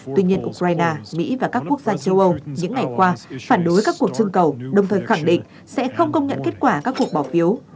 tuy nhiên ukraine mỹ và các quốc gia châu âu những ngày qua phản đối các cuộc trưng cầu đồng thời khẳng định sẽ không công nhận kết quả các cuộc bỏ phiếu